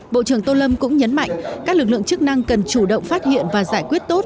bộ trưởng tô lâm cũng nhấn mạnh các lực lượng chức năng cần chủ động phát hiện và giải quyết tốt